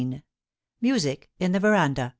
MUSIC IN THE VERANDA.